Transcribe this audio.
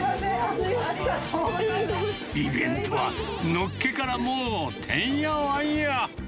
イベントは、のっけからもう、てんやわんや。